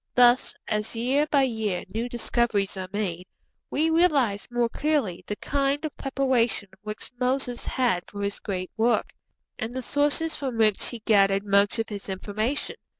Thus, as year by year new discoveries are made, we realize more clearly the kind of preparation which Moses had for his great work, and the sources from which he gathered much of his information.